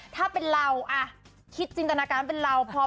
ถ้าเป็นเราคิดจินตนาการเป็นเราพอ